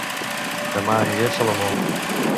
Dema aniré a Salomó